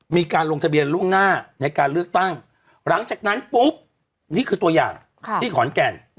มีการลงทะเบียนล่วงหน้าในการเลือกตั้งหลังจากนั้นปุ๊บนี่คือตัวอย่างที่ขอนแก่น